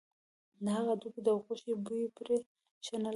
د هغه د هډوکي او غوښې بوی پرې ښه نه لګېده.